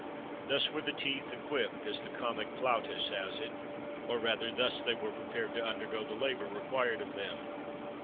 [XXXV 7] Thus were the teeth equipped, as the comic Plautus has it;[XXXV 8] or, rather, thus were they prepared to undergo the labour required of them.